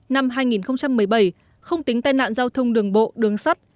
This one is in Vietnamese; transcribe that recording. năm hai nghìn một mươi bảy không tính tai nạn giao thông đường bộ đường sắt